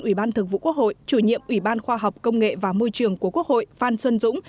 ủy ban thực vụ quốc hội chủ nhiệm ủy ban khoa học công nghệ và môi trường của quốc hội phan xuân dũng